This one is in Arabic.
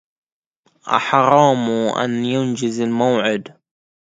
أحرام أن ينجز الموعود